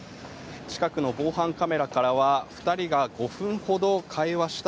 近くの防犯カメラからは２人が５分ほど会話した